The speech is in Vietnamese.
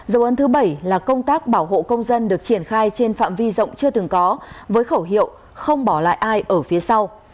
dấu ấn thứ bảy là công tác bảo hộ công dân được triển khai trên phạm vi rộng chưa từng có với khẩu hiệu không bỏ lại ai ở phía sau